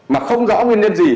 mà không rõ nguyên liên gì